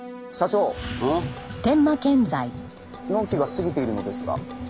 納期が過ぎているのですが。